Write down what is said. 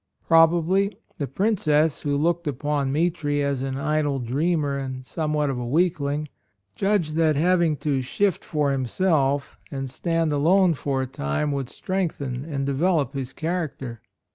Probably the Princess, who looked upon Mitri as an idle dreamer and somewhat of a weakling, judged that having to "shift for him self" and stand alone for a time would strengthen and develop his character.